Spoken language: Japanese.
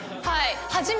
はい。